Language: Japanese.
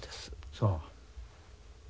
そう。